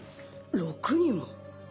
６人も？